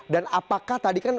dan apakah tadi kan